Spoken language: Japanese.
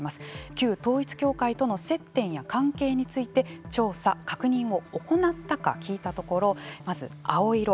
旧統一教会との接点や関係について調査・確認を行ったか聞いたところまず、青色。